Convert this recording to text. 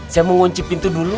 saya mau ngunci pintu dulu